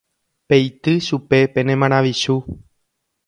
Peity chupe pene maravichu.